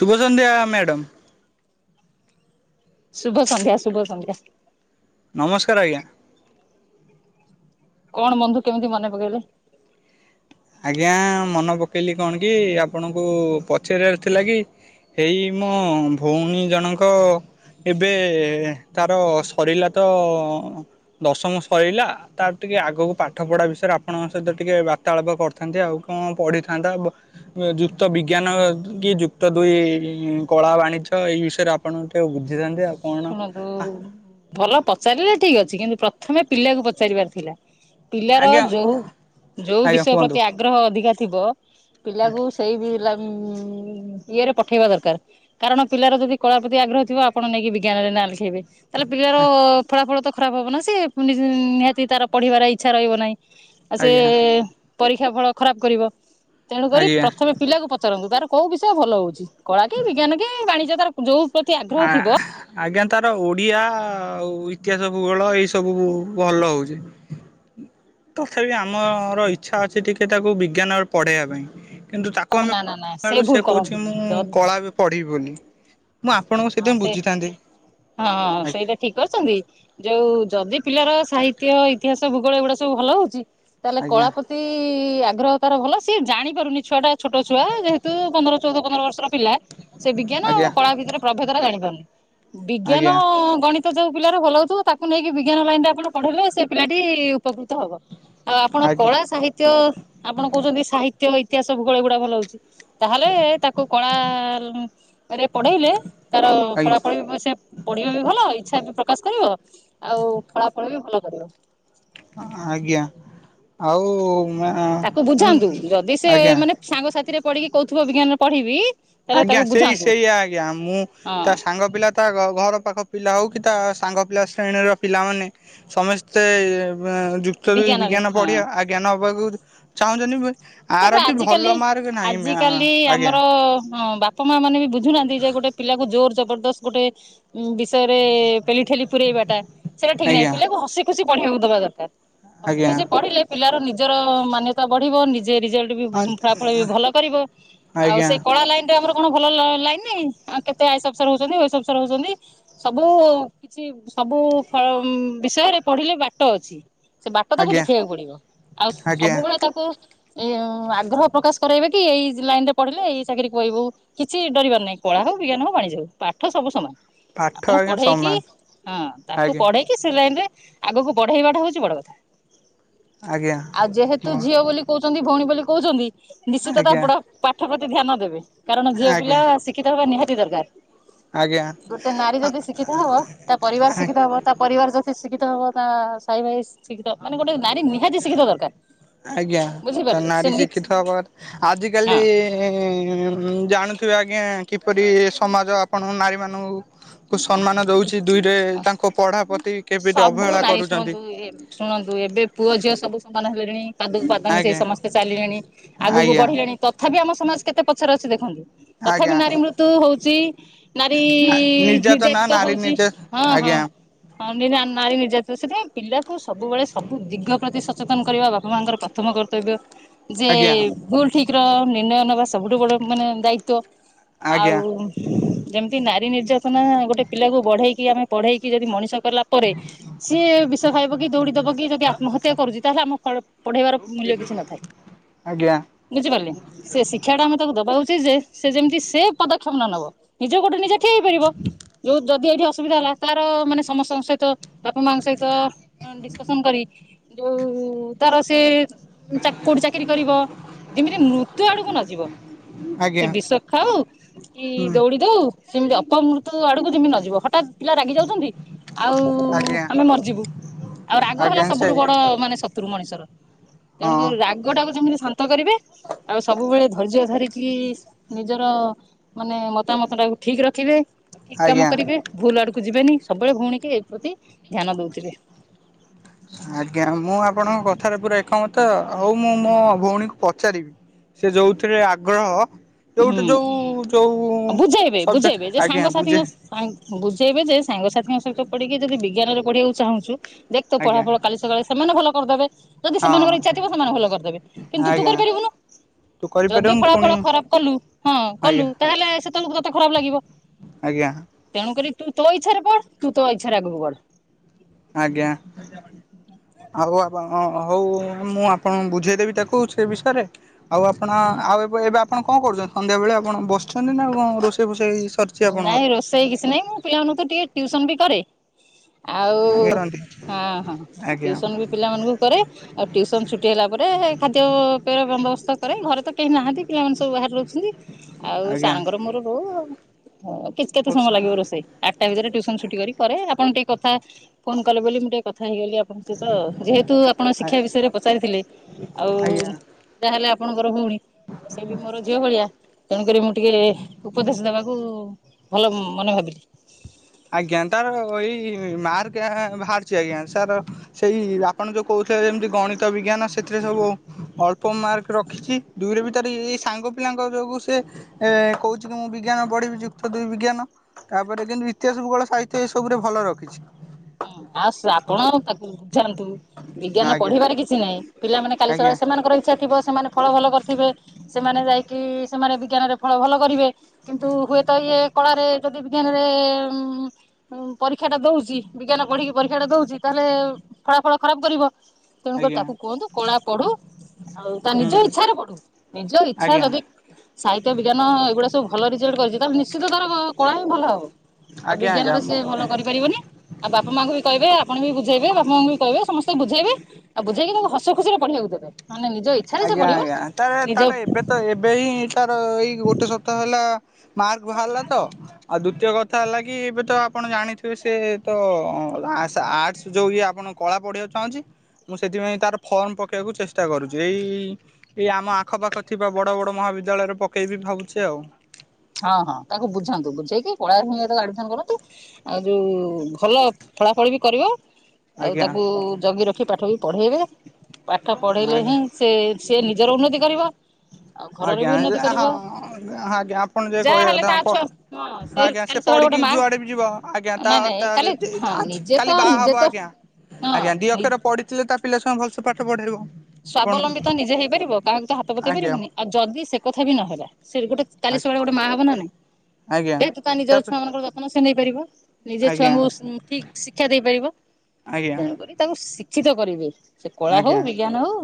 ଶୁଭ ସନ୍ଧ୍ୟା ମ୍ୟାଡ଼ମ। ଶୁଭ ସନ୍ଧ୍ୟା ଶୁଭ ସନ୍ଧ୍ୟା। ନମସ୍କାର ଆଜ୍ଞା। କଣ ବନ୍ଧୁ କେମିତି ମନେ ପକେଇଲେ? ଆଜ୍ଞା ମନେ ପକେଇଲି କଣ କି ଆପଣଙ୍କୁ ପଚାରିବାର ଥିଲା କି ହେଇ ମୋ ଭଉଣୀ ଜଣଙ୍କ ଏବେ ତାର ସରିଲା ତ ଦଶମ ସଇଲା। ତାର ଟିକେ ଆଗକୁ ପାଠ ପଢ଼ା ବିଷୟରେ ଆପଣଙ୍କ ସହିତ ଟିକେ ବାର୍ତ୍ତାଳାପ କରିଥାନ୍ତି ଆଉ। କଣ ପଢ଼ିଥାନ୍ତା ଯୁକ୍ତ ବିଜ୍ଞାନ କି ଯୁକ୍ତ ଦୁଇ କଳା, ବାଣିଜ୍ୟ ଏଇ ବିଷୟରେ ଆ ଆପଣଙ୍କଠୁ ଟିକେ ବୁଝିଥାନ୍ତି ଆଉ। କଣ ଶୁଣନ୍ତୁ, ଭଲ ପଚାରିଲେ ଠିକ ଅଛି, କିନ୍ତୁ ପ୍ରଥମେ ପିଲାକୁ ପଚାରିବାର ଥିଲା। ପିଲାର ଆଜ୍ଞା ଯୋଉ ଯୋଉ ଆଜ୍ଞା ବିଷୟ କୁହନ୍ତୁ ପ୍ରତି ଆଗ୍ରହ ଅଧିକା ଥିବ ପିଲା କୁ ସେଇ ବି ଉୁଁ ଇଏରେ ପଠେଇବା ଦରକାର। କାରଣ ପିଲାର ଯଦି କଳା ପ୍ରତି ଆଗ୍ରହ ଥିବ ଆପଣ ନେଇକି ବି ଜ୍ଞାନରେ ନାଁ ଲେଖେଇବେ ତାହେଲେ ପିଲାର ଫଳା ଫଳ ତ ଖରାପ ହବ ନା ସେ। ନିହାତି ତାର ପଢ଼ିବାର ଇଚ୍ଛା ରହିବ ନାହିଁ। ଆଉ ସେ ଆଜ୍ଞା ପରୀକ୍ଷା ଫଳ ଖରାପ କରିବ। ତେଣୁ କରି ଆଜ୍ଞା। ପ୍ରଥମେ ପିଲାକୁ ପଚାରନ୍ତୁ ତାର କୋଉ ବିଷୟ ଭଲ ହଉଛି। କଳା କି ବିଜ୍ଞାନ କି ବାଣିଜ୍ୟ ତାର ଯୋଉ ପ୍ରତି ଆ ଆ ଆଜ୍ଞା ତାର ଓଡ଼ିଆ ଆଉ ଇତିହାସ ଭୂଗୋଳ ଏଇ ସବୁ ଭଲ ହେଉଛି। ତଥାପି ଆମର ଇଚ୍ଛା ଅଛି ଟିକେ ତାକୁ ବିଜ୍ଞାନ ପଢେଇବା ପାଇଁ। କିନ୍ତୁ ତାକୁ ଓହୋ ନା ଆମେ ନା ନା [unintelligible] ସେ ଭୁଲ କହୁଛି କରନ୍ତୁନି ମୁଁ ଯଦି କଳା ଏବେ ପଢ଼ିବି ବୋଲି। ମୁଁ ଆପଣଙ୍କୁ ହଁ ସେଥିପାଇଁ ସେ ବୁଝିଥାନ୍ତି। ହଁ ଆଜ୍ଞା ସେଇଟା ଠିକ କରିଛନ୍ତି ଯୋଉ ଯଦି ପିଲାର ସାହିତ୍ୟ, ଇତିହାସ, ଭୂଗୋଳ ଏଗୁଡା଼ ସବୁ ଭଲ ହଉଛି ତାହେଲେ ଆଜ୍ଞା କଳା ପ ପ୍ରତି ଆଗ୍ରହ ତାର ଭଲ, ସିଏ ଜାଣି ପାରୁନି ଛୁଆ ଟା ଛୋଟ ଛୁଆ ଯେହେତୁ ପନ୍ଦର, ଚଉଦ, ପନ୍ଦର ବର୍ଷର ପିଲା। ସେ ବିଜ୍ଞାନ ଆଉ ଆଜ୍ଞା କଳା ଭିତରେ ପ୍ରଭେଦ ଟା ଜାଣିପାରୁନି ବିଜ୍ଞାନ, ଆଜ୍ଞା ଗଣି ଯୋଉ ପିଲାର ଭଲ ହଉଥିବା ତାକୁ ନେଇକି ବିଜ୍ଞାନ ଲାଇନ ରେ ଆପଣ ପଢେଇଲେ ସେ ପିଲାଟି ଉପକୃତ ହବ। ଆଉ ଆପଣ ଆଜ୍ଞା କଳା ସାହିତ୍ୟ ଆପଣ କହୁଛନ୍ତି ସାହିତ୍ୟ, ଇତିହାସ, ଭୂଗୋଳ ଏଗୁଡା଼ ଭଲ ହଉଛି। ତାହେଲେ ତାକୁ କଳା ରେ ପଢେଇଲେ ତାର ଫଳାଫଳ ସେ ପଢ଼ିବ ବି ଭଲ ଇଚ୍ଛା ବି ପ୍ରକାଶ କରିବ ଆଉ ଫଳାଫଳ ବି ଭଲ କରିବ‌। ଆଜ୍ଞା ଆଉ ମ୍ୟା ତାକୁ ବୁଝାନ୍ତୁ ଯଦି ସେ ଆଜ୍ଞା। ମାନେ ସାଙ୍ଗ ସାାଥିରେ ପଡ଼ିକି କହୁଥିବ ବିଜ୍ଞାନରେ ପଢି଼ବି ଆଜ୍ଞା ସେଇ ସେଇଆ ଆଜ୍ଞା। ମୁଁ ହଁ ତା ସାଙ୍ଗ ପିଲା ତା ଘର ପାଖ ପିଲା ହଉ କି ତା ସାଙ୍ଗ ପିଲା ଶ୍ରେଣୀର ପିଲାମାନେ। ସମସ୍ତେ ଯୁକ୍ତ ଦୁଇ ବିଜ୍ଞାନରେ ବିଜ୍ଞାନ ହଁ। ପଢ଼ିବା ଆଜ୍ଞା ନବାକୁ ଚାହୁଁଛନ୍ତି। ଆର ତାପରେ ବି ଭଲ ଆଜିିକାଲି ମାର୍କ ନାହିଁ ମ୍ୟା ଆଜିିକାଲି ଆଜ୍ଞା ଆମର ହଁ ବାପା ମା ମାନେ ବି ବୁଝୁନାହାନ୍ତି ଯେ ଗୋଟେ ପିଲା କୁ ଜୋର ଜବରଦସ୍ତ ଗୋଟେ ବିଷୟରେ ପେଲି ଠେଲି ପୁରଇବାଟା ସେଇଟା ଠିକ ନାହିଁ ଆଜ୍ଞା। ପିଲାକୁ ହସି ଖୁସି ପଢ଼ିବାକୁ ଦବା ଦରକାର। ହସି ଆଜ୍ଞା ଖୁସି ପଢି଼ଲେ ପିଲାର ନିଜର ମାନ୍ୟତା ବଢ଼ିବ ନିଜେ ରିଜଲ୍ଟ ଫଳାଫଳ ବି ଭଲ କରିବ। ଆଉ ଆଜ୍ଞା ସେ କଳା ଲାଇନ ରେ ଆମର କଣ ଭଲ ଲାଇନ୍ ନାଇଁ ଆଉ କେତେ ଆଇ ଏସ୍ ଅଫିସର ହଉଛନ୍ତି, ଓ ଏସ୍ ଅଫିସର ହଉଛନ୍ତି। ସବୁ କିଛି ସବୁ ବିଷୟରେ ପଢ଼ିଲେ ବାଟ ଅଛି। ସେ ବାଟ ତାକୁ ଆଜ୍ଞା ଦେଖେଇିବାକୁ ପଡ଼ିବ। ଆଉ ଆଜ୍ଞା ସବୁବେଳେ ତାକୁ ଏ ଆଗ୍ରହ ପ୍ରକାଶ କରାଇବେ କି ଏଇ ଲାଇନ ରେ ପଢିଲେ ଏଇ ଚାକିରି କ କହିବୁ। କିଛି ଡରିବାର ନାହିଁ କଳା ହଉ ବିଜ୍ଞାନ ହଉ ବାଣିଜ୍ୟ ହଉ ପାଠ ସବୁ ସମାନ। ପାଠ ଆପଣ ଆଜ୍ଞା ପଢେଇକି ସମାନ ହଁ ତାକୁ ଆଜ୍ଞା ପଢେଇକି। ସେ ଲାଇନରେ ଆଗକୁ ବଢେଇବାଟା ହଉଛି ବଡ କଥା ଆଜ୍ଞା ଆଉ ଯେହେତୁ ଝିଅ ବୋଲି। କହୁଛନ୍ତି ଭଉଣୀ ବୋଲି କହୁଛନ୍ତି ନିଶ୍ଚିତ ଆଜ୍ଞା ପାପଡ ପାଠ ପ୍ରତି ଧ୍ୟାନ ଦେବେ କାରଣ ଝିଅ ପିଲା। ଆଜ୍ଞା ଶିକ୍ଷିତ ହବା ନିହାତି ଦରକାର ଗୋଟେ ନାରୀ ଯଦି ଶିକ୍ଷିତ ହବ ତା ପରିବାର ଆଜ୍ଞା ଶିକ୍ଷିତ ହବ ତା। ପରିବାର ଯଦି ଶିକ୍ଷିତ ହବ ତା ସାଇ ଭାଇ ଶିକ୍ଷିତ ମାନେ ଗୋଟେ ନାରୀ ନିହାତି ଶିକ୍ଷିତ ଦରକାର। ଆଜ୍ଞା ତ ବୁଝିପାରିଲେ ନାରୀ ସେ ଶିକ୍ଷିତ ହବା ଆଜିକାଲି ହଁ ଉ ଜାଣୁଥିବେ ଆଜ୍ଞା କିପରି ସମାଜ ଆପଣ ନାରୀ ମାନଙ୍କୁ। କୁ ସମ୍ମାନ ଦଉଛି ଦୁଇରେ ତାଙ୍କ ପଢା ପ୍ରତି। କେମିତି ସବୁ ଅବହେଳା ନାରୀ କରୁଛନ୍ତି। ଶୁଣନ୍ତୁ ଶୁଣନ୍ତୁ ଏବେ ପୁଅ ଝିଅ ସବୁ ସମାନ ହେଲେଣି। ପାଦୁ ପାଦ ମିସେଇ ଆଜ୍ଞା ସମସ୍ତେ ଚାଲିଲେଣି ଆଗକୁ ଆଜ୍ଞା ବଢିଲେଣି ତଥାପି ଆମ ସମାଜ କେତେ ପଛରେ ଅଛି ଦେଖନ୍ତୁ। ଆଜ୍ଞା ତଥାପି ନାରୀ ମୃତ୍ୟୁ ହଉଛି ନାରୀ ନିର୍ଯାତନା ନିର୍ଯତିତ ନାରୀ ହଉଛି ନିର୍ଯା ହଁ ଆଜ୍ଞା ହଁ। ହଁ ନି ନା ନାରୀ ନିର୍ଜତି ସେଥିାଇଁ ପିଲାକୁ ସବୁବେଳେ ସବୁ ଦିଗ ପ୍ରତି ସଚେତନ କରିବା ବାପା ମାଙ୍କର ପ୍ରଥମ କର୍ତ୍ତବ୍ୟ। ହ [inaudible] ଯେ ଭୁଲ ଠିକ ର ନିର୍ଣ୍ଣୟ ନବା ସବୁଠୁ ବଡ ମାନେ ଆଜ୍ଞା ଦାୟିତ୍ଵଆଉ। ଯେମିତି ନାରୀ ନିର୍ଯାତନା ଗୋଟେ ପିଲାକୁ ବଢେଇକି ଆମେ ପଢେଇକି ଯଦି ମଣିଷ କଲା ପରେ। ସିଏ ବିଷ ଖାଇବ କି ଦୌଡି ଦବ କି ଯଦି ଆତ୍ମହତ୍ୟା କରୁଛି ତାହେଲେ ଆମ ପ୍ ପଢେଇବାର ମୂଲ୍ୟ କିଛି ନଥାଏ। ଆଜ୍ଞା ବୁଝିପାରିଲି ସେ ଶିକ୍ଷା ଟା ଆମେ ତାକୁ ଦବା ଉଚିତ ଯେ ସେ ଯେମିତି ସେ ପଦକ୍ଷେପ ନ ନେବ ନିଜ ଗୋଡ ରେ ନିଜେ। ଖେଇପାରିବ ଯଉ ଯଦି ଏଇଠି ଅସୁବିଧା ହେଲା ତାର ମାନେ ସମସ ସହିତ ବାପା ମାଙ୍କ ସହିତ ଡିସିକସନ କରି ଯୋଉ ତାର ସେ। ଚା କୋଉଠି ଚାକିରି କରିବ ଯେମିତି ମୃତ୍ୟୁ ଆଡକୁ ନଯିବ। ସେ ଆଜ୍ଞା ବିଷ ଖାଉ କି ହୁଁ ଦଉଡ଼ି ଦଉ। ସେମିତି ଅପମୃତ୍ୟୁ ଆଡକୁ ଯେମିତି ନ ଯିବ ହଠାତ୍ ପିଲା ରାଗି ଯାଉଛନ୍ତି। ଆଉ ଆଜ୍ଞା ଆମେ ମରିଯିବୁ ଆଉ ରାଗ ହେଲା ଆଜ୍ଞା ସେ ସବୁଠୁ ବଡ ମାନେ ଶତ୍ରୁ ମଣିଷର। ହଁ ତେଣୁକରି ରାଗଟାକୁ ଯେମିତି ସ ତ କରିବେ ଆଉ ସବୁବେଳେ ଧୈର୍ଯ୍ୟ ଧରିକି ନିଜର। ମାନେ ମତାମତ ଟାକୁ ଠିକ ରଖିବେ। ଠିକ କାମ ଆଜ୍ଞା କରିବେ ଭୁଲ ଆଡକୁ ଯିବେନି ସବୁବେଳେ ଭଉଣୀ କି ଏଇ ପ୍ରତି ଧ୍ୟାନ ଦଉଥିବେ। ଆଜ୍ଞା ମୁଁ ଆପଣଙ୍କ କଥାରେ ପୁରା ଏକମତ ହୋଉ ମୁଁ ମୋ ଭଉଣୀକୁ ପଚାରିବି। ସେ ଯୋଉଥିରେ ଆଗ୍ରହ। ଯୋଉଟେ ହୁଁ। ଯୋଉ ଯୋଉ ବୁଝେଇବେ ବୁଝେଇବେ ସବଜେଟେ ଯେ ଆଜ୍ଞା ବୁଝେ ସାଙ୍ଗସାଥିଙ୍କ ବୁଝେଇବେ ଯେ ସାଙ୍ଗସାଥିଙ୍କ ସହିତ ପଡିକି ଯଦି ବିଜ୍ଞାନରେ ପଢେଇିବାକୁ ଚାହୁଁଛୁ ଦେଖ ତ ପଳା ଆଜ୍ଞା ଫଳ କାଲି ସକାଳେ। ସେମାନେ ଭଲ କରିଦେବେ ଯଦି ହଁ ସେମାନଙ୍କର ଇଛା ଥିବ ସେମାନେ ଭଲ କରିଦେବେ କିନ୍ତୁ ତୁ ଆଜ୍ଞା କରିପାରିବୁନୁ। ତୁ ଯଦି କରିପାରିବୁନି ଫଳା ଫଳ ପୁଣି ଖରାପ କଲୁ ହଁ କଲୁ ଆଜ୍ଞା ତାହେଲେ ସେ ତେବେଳକୁ ତତେ ଖରାପ ଲାଗିବ ଆଜ୍ଞା ତଣୁ କରି ତୁ ତୋ ଇଛାରେ ପଢ ତୁ ତୋ ଇଚ୍ଛାରେ ଆଗକୁ ବଢ। ଆଜ୍ଞା ଆଉ ଆ ହଉ ମୁଁ ଆପଣଙ୍କୁ ବୁଝେଇଦେବି ତାକୁ ସେ ବିଷୟରେ। ଆଉ ଆପଣ ଆଉ ଏବେ, ଏବେ ଆପଣ କଣ କରୁଛନ୍ତି? ସନ୍ଧ୍ୟା ବେଳେ ଆପଣ ବସିଛନ୍ତି ନା କଣ ରୋଷେଇ ଫୋଷେଇ। ସରିଛି ଆପଣଙ୍କର? ନାଇଁ ରୋଷେଇ କିଛି ନାଇଁ ମୁଁ ପିଲାମାନଙ୍କୁ ତ ଟିକେ ଟିୁଉସନ ବି କରେ। ଆଉ କରନ୍ତି ହଁ ହଁ ଆଜ୍ଞା ଟୁଉସନ ବି ପିଲାମାନଙ୍କୁ କରେ ଆଉ ତିଉସନ ଛୁଟି ହେଲା ପରେ ଖାଦ୍ୟ ପେୟର ବନ୍ଦ ବସ୍ତକରେ ଘରେ। ତ କେହି ନାହାନ୍ତି ପିଲାମାନେ ସବୁ ବାହାରେ ରହୁଛନ୍ତି। ଆଉ ଆଜ୍ଞା ସାରଙ୍ଗର ମୋର ରହୁ ଆଉ ହଁ କିଛି କେତେ ହଉ ସମୟ ଲାଗିବ ସା ରୋଷେଇ। ଆଠଟା ଭିତରେ ଟ୍ୟୁସନ ଛୁଟି କରି ପରେ ଆପଣ ଟିକେ କଥା ଫୋନ କଲେ ବୋଲି ମୁଁ ଟିକେ କଥା ହେଇଗଲି ଆ ତ ଯେହେତୁ ଆପଣ ଶିକ୍ଷା ବିଷୟରେ ପଚାରିଥିଲେ ଆଉ ଆଜ୍ଞା ଯା ହେଲେ ଆପଣଙ୍କର ଭଉଣୀ ସେ ବି ମୋର ଝିଅ ଭଳିଆ ତେଣୁକରି ମୁଁ ଟିକେ ଉପଦେଶ ଦବାକୁ ଭଲ ମନ ଭାବିଲି। ଆଜ୍ଞା ତାର ଏଇ ମାର୍କ ବାହାରିଚି ଆଜ୍ଞା ସାର ସେଇ ଆପଣ ଯୋଉ କହୁଥିଲେ ଯେମିତି ଗଣିତ ବିଜ୍ଞାନ ସେଥିରେ ସବୁ ଅଳ୍ପ ମାର୍କ ରଖିଚି ଦୁଇରେ ବି ଏଇ ସାଙ୍ଗ ପିଲାଙ୍କ ଯୋଗୁ ସେ ଏ କହୁଚି କି ମୁଁ ବିଜ୍ଞାନ ପଢିବି ଯୁକ୍ତ ଦୁଇ ବିଜ୍ଞାନ ତାପରେ କିନ୍ତୁ ଇ ଇତିହାସ ଭୁଗୋଳ ସାହିତ୍ୟ ଏସବୁରେ ଭଲ ରଖିଛି। ହୁଁ ଆ ସ୍ରାପଣ ତାକୁ ବୁଝାନ୍ତୁ ବିଜ୍ଞାନ ଆଜ୍ଞା ପଢିବାରେ କିଛି ନାହିଁ ପିଲାମାନେ କାଲି ଆଜ୍ଞା ସକାଳେ ସେମାନଙ୍କ ଇଛାଥିବ ସେମାନେ ଫଳ ଭଲ କରିଥିବେ ସେମାନେ ଯାଇକି ସେମାନେ ବିଜ୍ଞାନରେ ଫଳ ଭଲ କରିବେ କିନ୍ତୁ ହୁଏତ ଇଏ କଳାରେ ଯଦି ବିଜ୍ଞାନରେ ଉମ୍ ପରୀକ୍ଷା ଟା ଦଉଚି ବିଜ୍ଞାନ ପଢିକି ପରୀକ୍ଷା ଟା ଦଉଚି ତାହେଲେ ଫଳାଫଳ ଖରାପ କରିବ ତେଣୁକରି ଆଜ୍ଞା ତାକୁ କୁହନ୍ତୁ କଳା ପଢୁ ଆଉ ତା ହୁଁ ନିଜ ଇଚ୍ଛାରେ ପଢୁ। ନିଜ ଇଚ୍ଛା ଆଜ୍ଞା ଯଦି ସାହିତ୍ୟ ବିଜ୍ଞାନ ଏଗୁଡା ସବୁ ଭଲ ରେଜଲ୍ଟ କରିଚି ତାହେଲେ ନିଶ୍ଚିତ ତାର କଳା ହିଁ ଭଲ ହବ। ଆଉ ଆଜ୍ଞା ଆଜ୍ଞା ବିଜ୍ଞାନରେ ସେ ମୁଁ ଭଲ କରିପାରିବନି ଆଉ ବାପା ମାଙ୍କୁ ବି କହିବେ ଆପଣ ବି ବୁଝେଇବେ ବାପା ମାଙ୍କୁ ବି କହିବେ ସମସ୍ତେ ବୁଝେଇବେ ଆଉ ବୁଝେଇକି ତାଙ୍କୁ ହସ ଖୁସିରେ ପଢିବାକୁ ଦେବେ ନ ହେଲେ ନିଜେ ଆଜ୍ଞା ଆଜ୍ଞା ତରେ ତାର ଏବେ ତ ଏବେ ହିଁ ତାର ଏଇ ଗୋଟେ ସପ୍ତାହ ହେଲା ମାର୍କ ବାହାରିଲା ତ ଆଉ ଦ୍ଵିତୀୟ କଥା ହେଲା କି ଏବେ ତ ଆପଣ ଜାଣିଥିବେ ସେ ତ ଆସ ଆର୍ଟସ ଯୋଉ ଇଏ ଆପଣ କଳା ପଢିବାକୁ ଚାହୁଁଛି ମୁଁ ସେଥିପାଇଁ ତାର ଫର୍ମ ପକେଇବାକୁ ଚେଷ୍ଟା କରୁ ଏଇ ଏଇ ଆମ ଆଖପାଖ ଥିବା ବଡ ବଡ ମହାବିଦ୍ୟାଳୟରେ ପକେଇବି ଭାବୁଚି ଆଉ। ହଁ ହଁ ତାଙ୍କୁ ବୁଝାନ୍ତୁ ବୁଝେଇକି କଳାରେ ହିଁ ଆଡିମିସନ କରନ୍ତୁ ଆଉ ଯୋଉ ଭଲ ଫଳା ଫଳି ବି କରିବ। ଆଉ ଆଜ୍ଞା ତାକୁ ଜଗି ରଖି ପାଠ ବି ପଢେଇବେ ପାଠ ପଢେଇଲେ ଆଜ୍ଞା ହିଁ ସେ ସେ ନିଜର ଉନ୍ନତି କରିବ ଆଉ ଆଜ୍ଞା ଘରର ବି ଉନ୍ନତି ହଁ କରିବ। ଆଜ୍ଞା ପଣ ଯେ ଯାହା କହିବା ହେଲେ କଥା ତା ଛୁଆ ହଁ ଆପ ଆଜ୍ଞା କାଲି ସେ ସକାଳେ ଗୋଟେ ପଢିକି ମା ଯୁଆଡେ ବି ଯିବ ଆଜ୍ଞା ତା ନାଇଁ ନାଇଁ ତା ଦେ କାଲି ଦେ ହଁ ଆଜି ନିଜେ ତ କାଲି ବାହା ନିଜେ ହବ ତ ଆଜ୍ଞା ଆଜ୍ଞା ହଁ ଦିଅକ୍ଷରେ ପଢିଥିଲେ ତ ପିଲା ସୁଆ ଭଲସେ ପାଠ ପଢ଼େଇବ। ସ୍ୱାବଲମ୍ବୀ ତ ନିଜେ ହେଇପାରିବ କାହାକୁ ତ ହାତ ପତେଇ ଆଜ୍ଞା ପାରିବନି। ଆଉ ଯଦି ସେ କଥା ବି ନହେଲା ସେ ଗୋଟେ କାଲି ଆଜ୍ଞା ସକାଳେ ଗୋଟେ ମା ହବ ନା ନାଇ ଆଜ୍ଞା ଯେହେତୁ ତା ନିଜର ତାପ ଛୁଆ ମାନଙ୍କର ଯତ୍ନ ସେ ନେଇପାରିବ। ନିଜେ ଆଜ୍ଞା ଛୁଆଙ୍କୁ ଠିକ ଶିକ୍ଷା ଦେଇପାରିବ ଆଜ୍ଞା ତେଣୁକରି ତାଙ୍କୁ ଶିକ୍ଷିତ କରିବେ। ସେ କଳା ଆଜ୍ଞା ହଉ ବିଜ୍ଞାନ ହଉ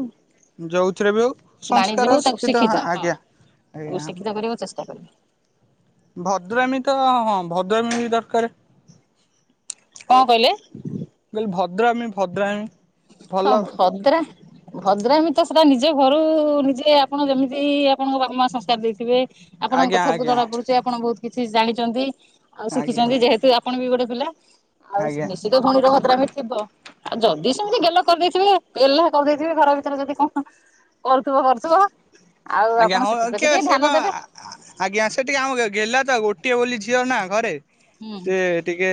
ଯୋଉଥିରେ ବି ହଉ ସଂସ୍କାର ବାଣିଜ୍ୟ ହଉ ତାକୁ ଶିକ୍ଷିତ ଶିକ୍ଷିଥା ହଁ ଆଜ୍ଞା। ତାକୁ ଆଜ୍ଞା ଶିକ୍ଷିତ କରିବାକୁ ଚେଷ୍ଟା କରିବ। ଭଦ୍ରାମୀ ତ ହଁ ଭଦ୍ରାମୀ ବି ଦରକାର। କଁ କହିଲେ? କଲି ଭଦ୍ରମୀ ଭଦ୍ରାମୀ ଭଲ ହଁ ଭଦ୍ର ଭଦ୍ରାମ ତ ସେଟା ନିଜ ଘରୁ ନିଜେ ଆପଣ ଯେମିତି ଆପଣଙ୍କ ବାପା ମାଁ ସଂସ୍କାର ଦେଇଥିବେ ଆପଣଙ୍କ ଆଜ୍ଞା କଥାରୁତ ଆଜ୍ଞା ଜଣା ପଡୁଚି ଆପଣ ବହୁତ କିଛି ଜାଣିଚନ୍ତି ଆଉ ଆଜ୍ଞା ଶିଖିଚନ୍ତି ଯେହେତୁ ଆ ପଣ ବି ଗୋଟେ ପିଲା ଆଉ ଆଜ୍ଞା। ନିଶ୍ଚିତ ଭଉଣୀର ଭଦ୍ରମୀ ଥିବ ଆଉ ଯଦ ସ ମିତି ଗେଲ କରିଦେଇଥିବେ ଗେହ୍ଲା କରିଦେଇଥିବେ ଘର ଭିତରେ ଯଦି କଣ କରୁଥିବ କରୁଥିବ ଆଉ ଆପଣ ସେଥିପ୍ରତି ଟିକେ ଧ୍ୟାନ ଦେବେ। ଆ ଆଜ୍ଞା ସେ ଟିକେ ଆମ ଗେହ୍ଲା ତ ଗୋଟିଏ ବୋଲି ଝିଅ ନା ଘରେ ହୁଁ। ସେ ଟିକେ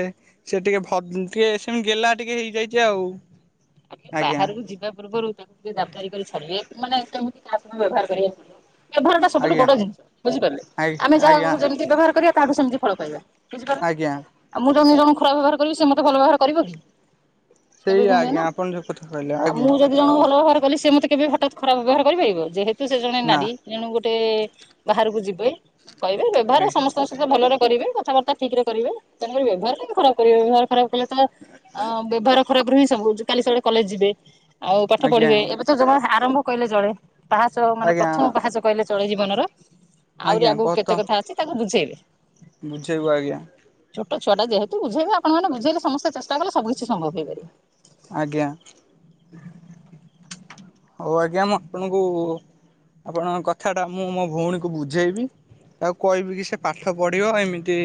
ସେ ଟିକେ ଭ ଟିକେ ସେମ ଗେହ୍ଲା ଟିକେ ହେଇଯାଇଚି ଆଉ। ଆ ଆଜ୍ଞା। ବାହାରକୁ ଯିବା ପୂର୍ବରୁ ତାଙ୍କୁ ଟିକେ ଦାବଦାରି କରି ଛାଡିବେ ମାନେ କେମିତି କାହା ସହ ବ୍ୟବହାର କରିବା ସାଙ୍ଗ ବ୍ୟବହାର ଟା ସବୁଠୁ ଆଜ୍ଞା ବଡ ଜିନିଷ ବୁଝିପାରିଲେ ଆ ଆମେ ଆଜ୍ଞା ଯାହାକୁ ଯେମିତି ବ୍ୟବହାର କରିବା ତାହାଠୁ ସେମିତି ଫଳ ପାଇବା। ବୁଝପାରିଲ ଆଜ୍ଞା ଆଉ ମୁଁ ତମକୁ ତମ ଖରାପ ବ୍ୟବହାର କରିବି ସେ ମତେ ଭଲ ବ୍ୟବହାର କରିବ କି? କେବେ ସେଇ ବି ନୁହେଁ ନା। ଆଜ୍ଞା ଆପଣ ଯୋଉ କଥା କହିଲେ ଆଉ ଆଜ୍ଞା। ମୁଁ ଯଦି ଜଣଙ୍କୁ ଭଲ ବ୍ୟବହାର କଲି ସେ ମତେ କେବେ ହଠାତ୍ ଖରାପ ବ୍ୟବହାର କରିପାରିବ ଯେହେତୁ ସେ ଜଣେ ନା ନାରୀ ତେଣୁ ଗୋଟେ ବାହାରକୁ ଯିବେ କହିବେ ବ୍ୟବହାର ସମସ୍ତଙ୍କ ସ ତ ଭଲରେ କରିବେ କଥାବାର୍ତ୍ତା ଠିକରେ କରିବେ ତେଣୁକରି ବ୍ୟବହାର କାହିଁକି ଖରାପ କରିବେ ବ୍ୟବହାର ଖରାପ କଲେ ତ ଅ ବ୍ୟବହାର ଖରାପରୁ ହିଁ ସବୁ ହଉଛି କାଲି ସକଳେ କଲେଜ ଯିବେ ଆଉ ପାଠ ଆଜ୍ଞା ପଢିବେ ଏବେ ତ ଜମା ଆରମ୍ଭ କହିଲେ ଚଳେ ପାହାଚ ମାନେ ଆଜ୍ଞା ପ୍ରଥମ ପାହାଚ କହିଲେ ଚଳେ ଜୀବନର। ଆହୁରି ଆଜ୍ଞା ଆଗକୁ ବହୁତ କେତେ କଥା ଅଛି ତାକୁ ବୁଝେଇବେ। ବୁଝେଇବୁ ଆଜ୍ଞା। ଛୋଟ ଛୁଆଟା ଯେହେତୁ ବୁଝେଇବେ ଆପଣମାନେ ବୁଝେଇଲେ ସମସ୍ତେ ଚେଷ୍ଟା କଲେ ସବୁ କିଛି ସମ୍ଭବ ହେଇପାରିବ। ଆଜ୍ଞା। ହଉ ଆଜ୍ଞା ମୁଁ ଆପଣଙ୍କୁ ଆପଣଙ୍କ କଥାଟା ମୁଁ ମୋ ଭଉଣୀକୁ ବୁଝେଇବି। ତାକୁ କହିବି କି ସେ ପାଠ ପଢିବ ଏମିତି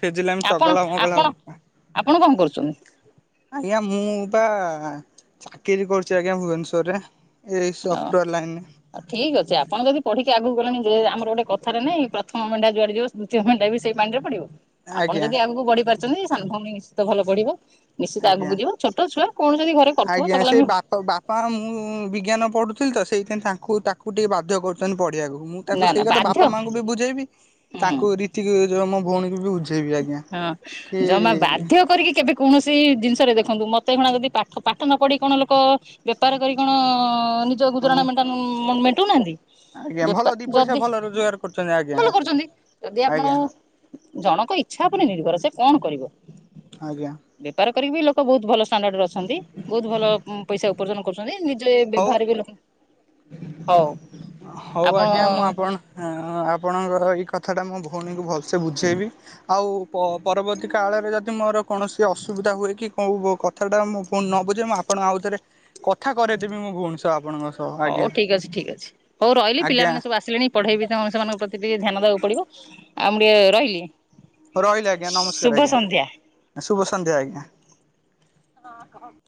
ଫେଜିଲାମି ଚଗଲା ମଗଲା ଆପଣ-ଆପଣ-ଆପଣ କଣ କରୁଛନ୍ତି? ଆଜ୍ଞା ମୁଁ ପା ଚାକିରି କରୁଛି ଆଜ୍ଞା ଭୁବନେଶ୍ଵରରେ। ଏଇ ସଫ୍ଟୱେର ଲାଇନରେ। ଆ ଠିକ୍ ଅଛି ଆପଣ ଯଦି ପଢିକି ଆଗକୁ ଗଲେଣି ଯେ ଆମର ଗୋଟେ କଥାରେ ନାଇଁ ପ୍ରଥମ ମଣ୍ଢା ଯୁଆଡେ ଯିବ ଦ୍ୱିତୀୟ ମେଣ୍ଢା ବି ସେଇ ପାଣି ରେ ପଡିବ, ଆପଣ ଆଜ୍ଞା ଯଦି ଆଗକୁ ବଢି ପାରିଛନ୍ତି ସାନ ଭଉଣୀ ନିଶ୍ଚିତ ଭଲ ପଢିବ। ନିଶ୍ଚିତ ଆଜ୍ଞା ଆଗକୁ ଯିବ ଛୋଟ ଛୁଆ କଣ ଯଦି ଘରେ କରୁଥିବ ଚଗଲମି ପା ମୁଁ ବିଜ୍ଞାନ ପଢୁଥିଲି ତ ସେଇଥି ପାଇଁ ତାଙ୍କୁ ତାକୁ ଟିକେ ବାଧ୍ୟ କରୁଛନ୍ତି ପଢିବାକୁ। ମୁଁ ତାକୁ ନା ସେଇ ନା କଥା ବାଧ୍ୟ ବାପା ହୁଁ ମାଆଙ୍କୁ ବି ବୁଝେଇବି ତାଙ୍କୁ ରୀତିକି ମୋ ଭଉଣୀକୁ ବି ବୁଝେ ହଁ ଯମା ବାଧ୍ୟ କରିକି କେବେ କୌଣସି ଜିନିଷରେ ଦେଖନ୍ତୁ ମୋତେ ଏକ୍ଷଣା ଯଦି ପାଠ-ପାଠ ନ ପଢ଼ି କଣ ଲୋକ ବେପାର କରି କଣ ନି ଜ ହଁ ଗୁଜୁରାଣ ମଣ୍ଟନ ମେଣ୍ଟଉନାହାନ୍ତି ଆଜ୍ଞା ଭଲ ଦି ବେପାର ପଇସା ଯଦି ଭଲ ରୋଜଗାର କରୁଛନ୍ତି ଆ ଭଲ କରୁଛନ୍ତି ଯଦି ଆପଣ ଜଣଙ୍କ ଇଚ୍ଛା ଉପରେ ନିର୍ଭର ସେ କଣ କରିବ? ଆଜ୍ଞା। ବେପାର କରିକି ବି ଲୋକ ବହୁତ ଭଲ ଷ୍ଟାଣ୍ଡାର୍ଡରେ ଅଛନ୍ତି। ବହୁତ୍ ଭଲ ପଇସା ଉପର୍ଜନ କରୁଛନ୍ତି ନିଜେ ହଉ ବ୍ୟବହାର ବି ଲୋକ ହଉ। ହଉ ଆପଣ ଆଜ୍ଞା ମୁଁ ଆପଣ ଆପଣଙ୍କର ଏଇ କଥାଟା ମୋ ଭଉଣୀକୁ ଭଲସେ ବୁଝେଇବି। ଆଉ ପ-ପରବର୍ତ୍ତୀ କାଳରେ ଯଦି ମୋର କୌଣସି ଅସୁବିଧା ହୁଏ କି କୋଉ କ କଥାଟା ମୁଁ ଭଉଣୀ ନ ବୁଝେ ମୁଁ ଆପଣ ଆଉ ଥରେ କଥା କରେଇଦେବି ମୁଁ ଭଉଣୀ ସହ ଆପଣଙ୍କ ସହ ଆଜ୍ଞା। ଠିକ୍ ଅଛି ଠିକ୍ ଅଛି। ହଉ ରହିଲି ଆଜ୍ଞା ପିଲାମାନେ ସବୁ ଆସିଲେଣି ପଢେଇ ବି ତାଙ୍କୁ ସେମାନଙ୍କ ପ୍ରତି ଟିକେ ଧ୍ୟାନ ଦବାକୁ ପଡିବ, ଆଉ ମୁଁ ଟିକେ ରହିଲି। ରହିଲି ଆଜ୍ଞା ନମସ୍କାର ଶୁଭ ଆଜ୍ଞା ସନ୍ଧ୍ୟା। ଶୁଭ ସନ୍ଧ୍ୟା ଆଜ୍ଞା।